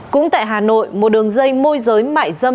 cũng tại hà nội một đường dây môi giới mại dâm